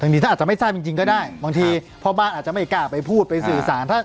อันนี้ถ้าอาจจะไม่ทราบจริงก็ได้บางทีพ่อบ้านอาจจะไม่กล้าไปพูดไปสื่อสาร